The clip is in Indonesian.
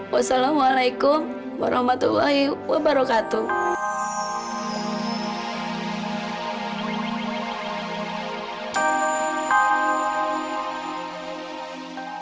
wassalamualaikum warahmatullahi wabarakatuh